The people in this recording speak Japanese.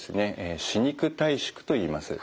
歯肉退縮といいます。